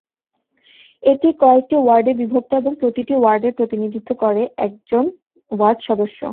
এটি কয়েকটি ওয়ার্ডে বিভক্ত এবং প্রতিটি ওয়ার্ডের প্রতিনিধিত্ব করে একজন ওয়ার্ড সদস্য।